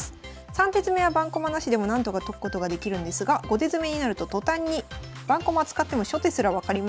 ３手詰めは盤駒なしでもなんとか解くことができるんですが５手詰めになると途端に盤駒を使っても初手すらわかりません。